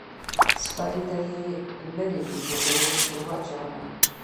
سپۍ ته یې لېرې ډوډۍ ور واچوله.